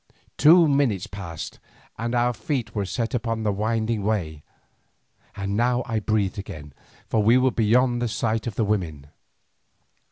Two minutes passed, and our feet were set upon the winding way, and now I breathed again, for we were beyond the sight of the women.